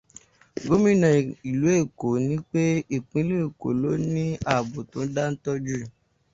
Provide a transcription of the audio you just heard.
Gómìnà ìlú Èkó ní pé Ìpínlẹ̀ Èkó ló ní ètò àbò tó dántọ́ jù.